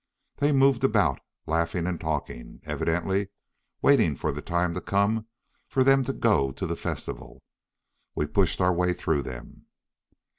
They moved about, laughing and talking, evidently waiting for the time to come for them to go to the festival. We pushed our way through them.